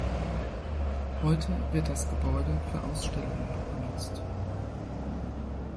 Heute wird das Gebäude für Ausstellungen genutzt.